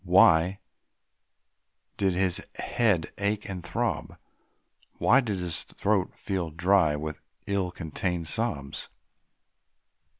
Why did his head ache and throb? Why did his throat feel dry with ill contained sobs?